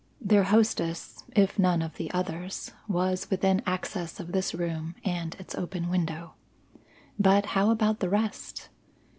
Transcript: Their hostess, if none of the others, was within access of this room and its open window. But how about the rest?